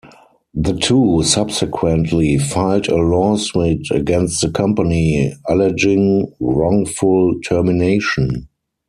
The two subsequently filed a lawsuit against the company alleging wrongful termination.